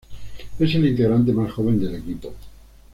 Es el integrante más joven del equipo.